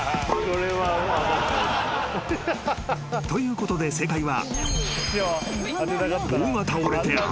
［ということで正解は］